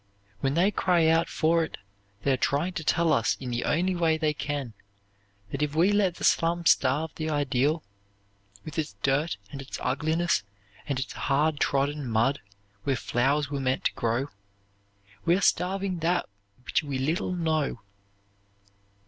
When they cry out for it they are trying to tell us in the only way they can that if we let the slum starve the ideal, with its dirt and its ugliness and its hard trodden mud where flowers were meant to grow, we are starving that which we little know.